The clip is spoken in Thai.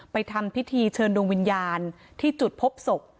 ทำพิธีเชิญดวงวิญญาณที่จุดพบศพ